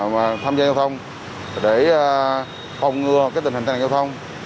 và tham gia giao thông để phòng ngừa tình hình tai nạn giao thông